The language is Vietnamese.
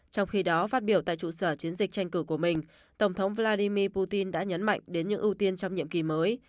trong khi đó phát biểu tại trụ sở chiến dịch tranh cử của mình tổng thống vladimir putin đã nhấn mạnh đến những ưu tiên trong nhiệm kỳ mới